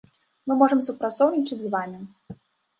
Мы можам супрацоўнічаць з вамі.